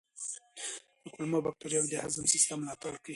کولمو بکتریاوې د هضم سیستم ملاتړ کوي.